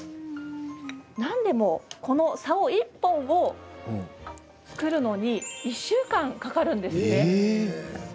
なんでもこの棹１本を作るのに１週間かかるんですって。